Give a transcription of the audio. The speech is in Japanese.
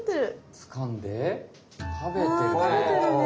つかんで食べてるね！